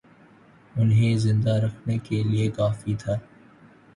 انہیں زندہ رکھنے کے لیے کافی تھا